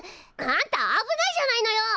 あんた危ないじゃないのよ！